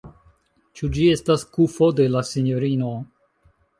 Ĉu ĝi estas kufo de la sinjorino.